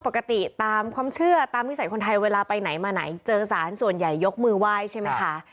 ตามความเชื่อตามนิสัยคนไทยเวลาไปไหนมาไหนเจอสารส่วนใหญ่ยกมือไหว้ใช่ไหมคะ